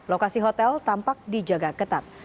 lokasi hotel tampak dijaga ketat